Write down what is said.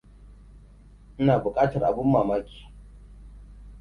Ina bukatar abin mamaki.